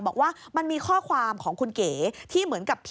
บอกว่ามันมีข้อความของคุณเก๋